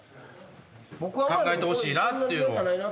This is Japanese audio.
考えてほしいなっていうの。